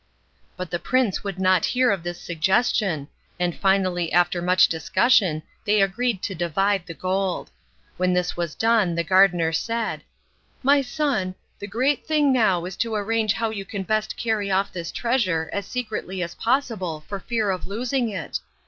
But the prince would not hear of this suggestion, and finally after much discussion they agreed to divide the gold. When this was done the gardener said: "My son, the great thing now is to arrange how you can best carry off this treasure as secretly as possible for fear of losing it.